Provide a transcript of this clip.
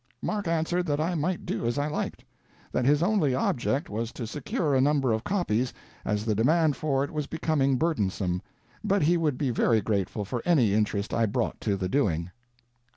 Mark answered that I might do as I liked; that his only object was to secure a number of copies, as the demand for it was becoming burdensome, but he would be very grateful for any interest I brought to the doing.